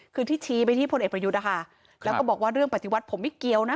คือที่ชี้ไปที่พลเอกประยุทธ์นะคะแล้วก็บอกว่าเรื่องปฏิวัติผมไม่เกี่ยวนะ